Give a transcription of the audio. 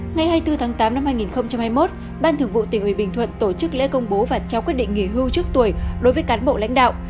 ngày hai mươi bốn tháng tám năm hai nghìn hai mươi một ban thực vụ tỉnh ủy bình thuận tổ chức lễ công bố và trao quyết định nghỉ hưu trước tuổi đối với cán bộ lãnh đạo